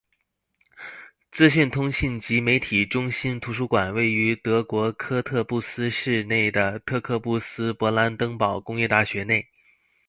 资讯通信及媒体中心图书馆位于德国科特布斯市内的科特布斯勃兰登堡工业大学内。